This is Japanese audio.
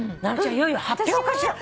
いよいよ発表かしら。